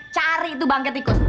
cari itu bangkai tikus